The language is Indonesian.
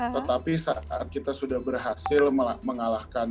tetapi saat kita sudah berhasil mengalahkan